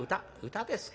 歌ですか。